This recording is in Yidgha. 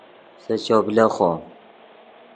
سے چوپ لیخو